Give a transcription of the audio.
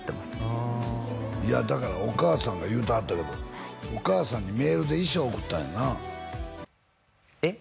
うんいやだからお母さんが言うてはったけどお母さんにメールで遺書送ったんやなえっ？